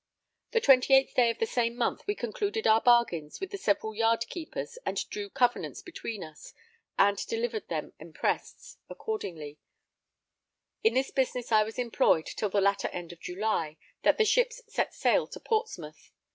The 28th day of the same month we concluded our bargains with the several yardkeepers and drew covenants between us, and delivered them imprests accordingly. In this business I was employed till the latter end of July, that the ships set sail to Portsmouth.